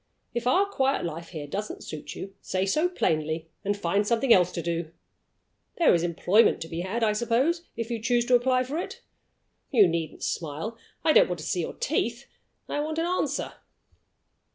If our quiet life here doesn't suit you, say so plainly, and find something else to do. There is employment to be had, I suppose if you choose to apply for it? You needn't smile. I don't want to see your teeth I want an answer."